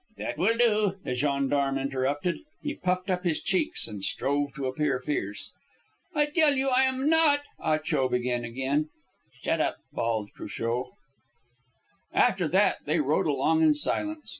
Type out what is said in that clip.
"That will do," the gendarme interrupted. He puffed up his cheeks and strove to appear fierce. "I tell you I am not " Ah Cho began again. "Shut up!" bawled Cruchot. After that they rode along in silence.